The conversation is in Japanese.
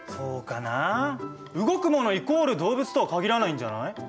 イコール動物とは限らないんじゃない？